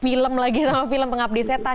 film lagi sama film pengabdi setan